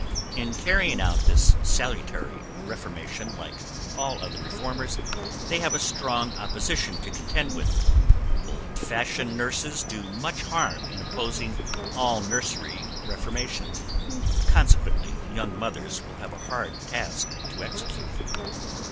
In carrying out this salutary reformation like all other reformers, they have a strong opposition to contend with; old fashioned nurses do much harm in opposing all nursery reformations, consequently young mothers will have a hard task to execute.